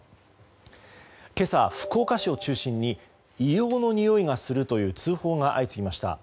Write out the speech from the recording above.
今朝、福岡市を中心に硫黄のにおいがするという通報が相次ぎました。